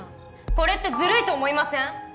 これってずるいと思いません